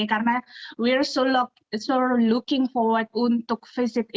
karena kita sangat mencari kebutuhan untuk menunjukkan